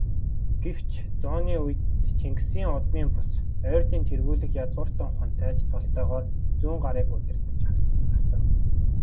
Гэвч, зууны үед Чингисийн удмын бус, Ойрдын тэргүүлэх язгууртан хунтайж цолтойгоор Зүүнгарыг удирдаж асан.